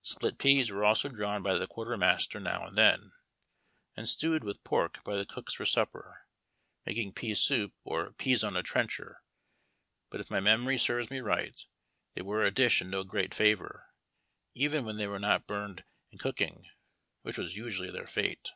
Split peas were also drawn by the quartermaster now and then, and stewed with pork by the cooks for supper, making pea soup, or "Peas on a Trencher"; but if my memory serves me right, they were a dish in no great favor, even when they were not burned in cooking, which was usually their fate.